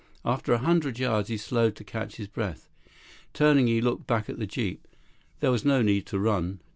After a hundred yards, he slowed to catch his breath. Turning, he looked back at the jeep. There was no need to run.